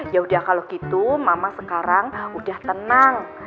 yaudah kalau gitu mama sekarang udah tenang